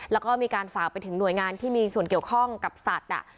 แล้วก็มีการฝากไปถึงหน่วยงานที่มีส่วนเกี่ยวข้องกับสัตว์